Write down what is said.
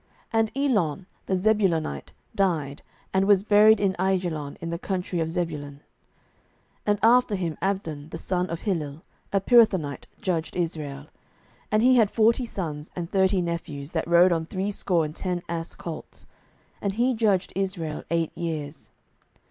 07:012:012 And Elon the Zebulonite died, and was buried in Aijalon in the country of Zebulun. 07:012:013 And after him Abdon the son of Hillel, a Pirathonite, judged Israel. 07:012:014 And he had forty sons and thirty nephews, that rode on threescore and ten ass colts: and he judged Israel eight years.